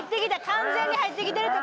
完全に入ってきてるって。